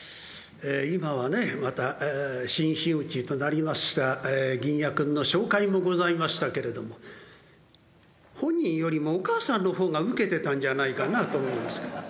今はねまた新真打となりました銀冶君の紹介もございましたけれども本人よりもお母さんの方がウケてたんじゃないかなと思いますから。